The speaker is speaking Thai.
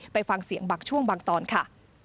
ไปฟังเสียงบางช่วงบางตอนค่ะ